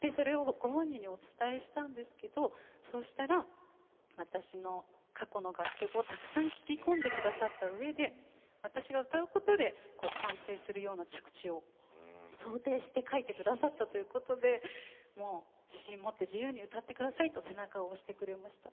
でそれをご本人にお伝えしたんですけどそうしたら私の過去の楽曲をたくさん聴き込んで下さったうえで私が歌うことで完成するような着地を想定して書いて下さったということで自信を持って自由に歌って下さいと背中を押してくれました。